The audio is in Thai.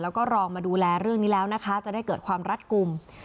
แล้วก็รองมาดูแลเรื่องนี้แล้วนะคะจะได้เกิดความรัดกลุ่ม